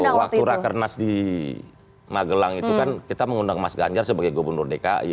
waktu rakernas di magelang itu kan kita mengundang mas ganjar sebagai gubernur dki